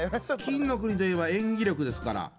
金の国といえば演技力ですから。